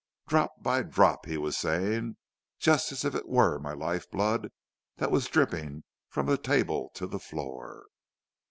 "'Drop by drop,' he was saying, 'just as if it were my life blood that was dripping from the table to the floor.'